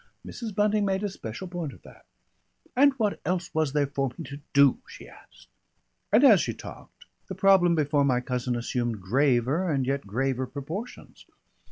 Mrs. Bunting made a special point of that. "And what else was there for me to do?" she asked. And as she talked, the problem before my cousin assumed graver and yet graver proportions.